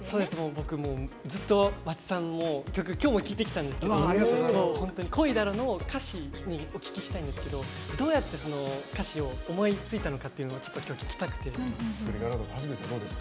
僕、ずっとｗａｃｃｉさん曲、今日も聴いてきたんですけど本当に「恋だろ」の歌詞にお聞きしたいんですけどどうやって歌詞を思いついたのかというのを聞きたくて。